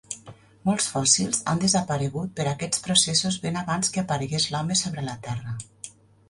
Molts fòssils han desaparegut per aquests processos ben abans que aparegués l'home sobre la terra.